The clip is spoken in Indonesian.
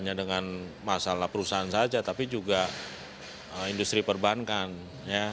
hanya dengan masalah perusahaan saja tapi juga industri perbankan ya